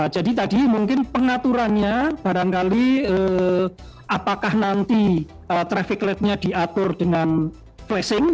jadi tadi mungkin pengaturannya barangkali apakah nanti traffic light nya diatur dengan flashing